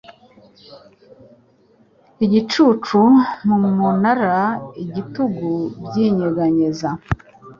Igicucu mu munara, ibitugu byinyeganyeza